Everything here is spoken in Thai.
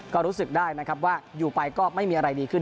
ก็รู้สึกได้นะครับว่าอยู่ไปก็ไม่มีอะไรดีขึ้น